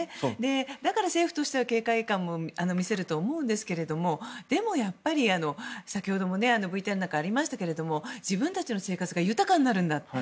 だから、政府としては警戒感を見せると思うんですがでもやっぱり、先ほどもＶＴＲの中でありましたけれども自分たちの生活が豊かになるんだと。